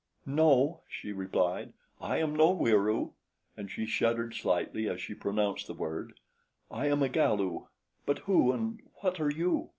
"No," she replied, "I am no Wieroo." And she shuddered slightly as she pronounced the word. "I am a Galu; but who and what are you?